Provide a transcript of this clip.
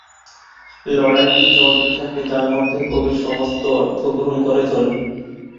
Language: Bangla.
লড়াইটি চলতে থাকে যার মধ্যে কবির সমস্ত অর্থ গ্রহণ করে চলে।